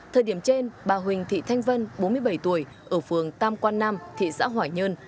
thời điểm trên bà huỳnh thị thanh vân bốn mươi bảy tuổi ở phường tam quan nam thị xã hoài nhơn